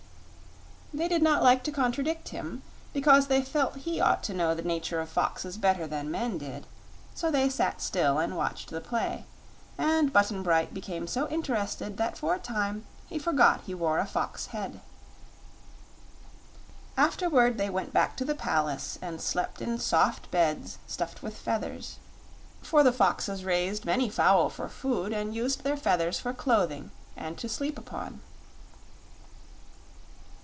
They did not like to contradict him, because they felt he ought to know the nature of foxes better than men did; so they sat still and watched the play, and Button Bright became so interested that for the time he forgot he wore a fox head. Afterward they went back to the palace and slept in soft beds stuffed with feathers; for the foxes raised many fowl for food, and used their feathers for clothing and to sleep upon.